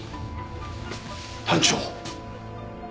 班長。